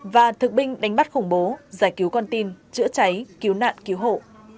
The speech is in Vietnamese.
và thực binh đánh bắt khủng bố giải cứu con tin chữa cháy cứu nạn cứu hộ